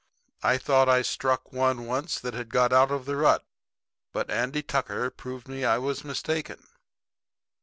I thought I struck one once that had got out of the rut; but Andy Tucker proved to me I was mistaken.